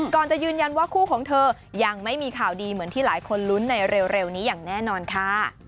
จะยืนยันว่าคู่ของเธอยังไม่มีข่าวดีเหมือนที่หลายคนลุ้นในเร็วนี้อย่างแน่นอนค่ะ